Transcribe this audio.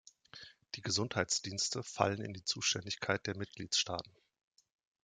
Die Gesundheitsdienste fallen in die Zuständigkeit der Mitgliedstaaten.